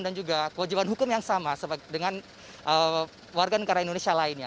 juga kewajiban hukum yang sama dengan warga negara indonesia lainnya